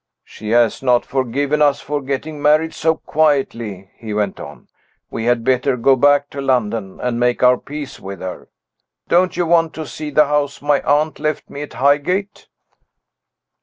"She has not forgiven us for getting married so quietly," he went on. "We had better go back to London and make our peace with her. Don't you want to see the house my aunt left me at Highgate?"